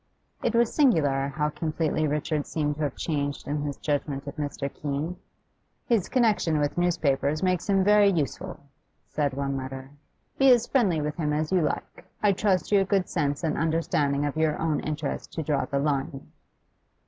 It was singular how completely Richard seemed to have changed in his judgment of Mr. Keene. 'His connection with newspapers makes him very useful,' said one letter. 'Be as friendly with him as you like; I trust to your good sense and understanding of your own interest to draw the line.